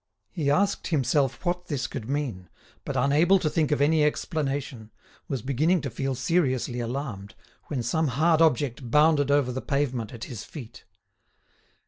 He asked himself what this could mean, but, unable to think of any explanation, was beginning to feel seriously alarmed, when some hard object bounded over the pavement at his feet.